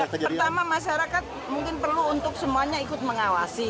pertama masyarakat mungkin perlu untuk semuanya ikut mengawasi